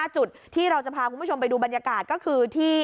จุดที่เราจะพาคุณผู้ชมไปดูบรรยากาศก็คือที่